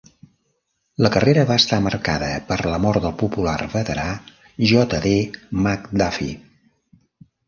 La carrera va estar marcada per la mort del popular veterà J. D. McDuffie.